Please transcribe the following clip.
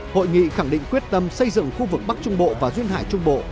hội nghị khẳng định quyết tâm xây dựng khu vực bắc trung bộ và duyên hải trung bộ